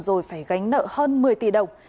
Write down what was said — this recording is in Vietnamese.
rồi phải gánh nợ hơn một mươi tỷ đồng